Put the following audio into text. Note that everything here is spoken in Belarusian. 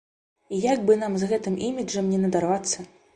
І як бы нам з гэтым іміджам не надарвацца.